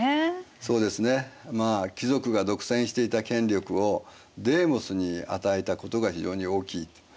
そうですね貴族が独占していた権力をデーモスに与えたことが非常に大きい。